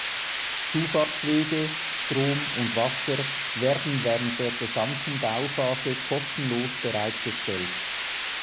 Zufahrtswege, Strom und Wasser werden während der gesamten Bauphase kostenlos bereitgestellt.